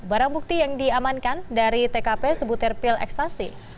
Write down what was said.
barang bukti yang diamankan dari tkp sebutir pil ekstasi